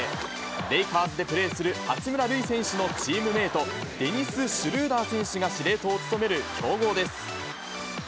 レイカーズでプレーする八村塁選手のチームメート、デニス・シュルーダー選手が司令塔を務める強豪です。